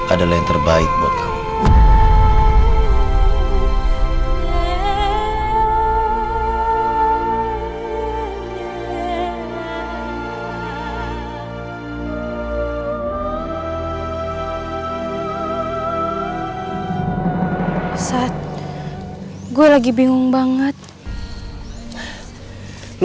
adalah yang terbaik buat kamu